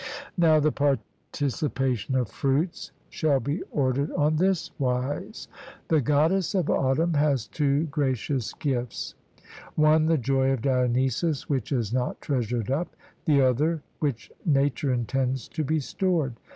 Now the participation of fruits shall be ordered on this wise. The goddess of Autumn has two gracious gifts: one the joy of Dionysus which is not treasured up; the other, which nature intends to be stored.